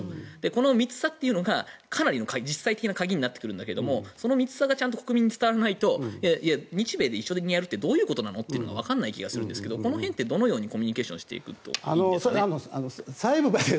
この密さというのがかなりの実際的な鍵になってくるんだけどその密さがちゃんと国民に伝わらないと日米で一緒にやるってどういうことなの？ってわからない気がするんですがこの辺ってどのようにコミュニケーションしていくといいんですかね。